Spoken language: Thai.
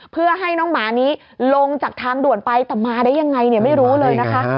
เพื่อให้น้องหมานี้ลงจากทางด่วนไปแต่มาได้ยังไงไม่รู้เลยนะคะ